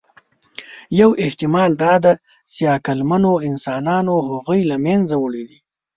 یو احتمال دا دی، چې عقلمنو انسانانو هغوی له منځه وړي دي.